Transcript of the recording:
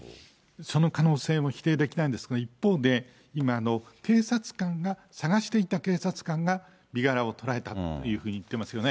その可能性も否定できないんですけど、一方で、今、警察官が、捜していた警察官が身柄を捕らえたというふうに言ってますよね。